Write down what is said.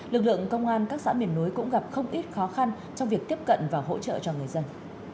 lực lượng công an các xã miền núi cũng gặp không ít khó khăn trong việc tiếp cận và hỗ trợ cho người dân